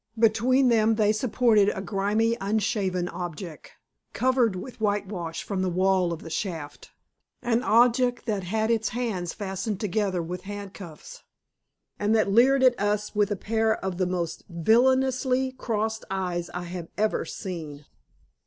Between them they supported a grimy, unshaven object, covered with whitewash from the wall of the shaft, an object that had its hands fastened together with handcuffs, and that leered at us with a pair of the most villainously crossed eyes I have ever seen.